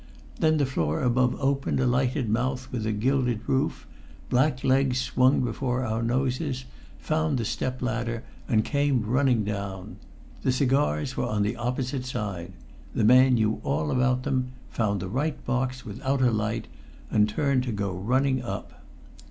Then the floor above opened a lighted mouth with a gilded roof; black legs swung before our noses, found the step ladder and came running down. The cigars were on the opposite side. The man knew all about them, found the right box without a light, and turned to go running up.